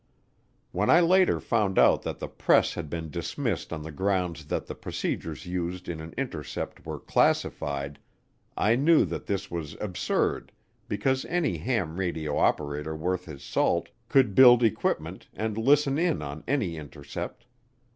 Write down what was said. When I later found out that the press had been dismissed on the grounds that the procedures used in an intercept were classified, I knew that this was absurd because any ham radio operator worth his salt could build equipment and listen in on any intercept.